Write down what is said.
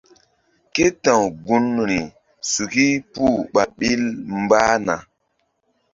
Ke ta̧w gunri suki puh ɓa ɓil mbah na.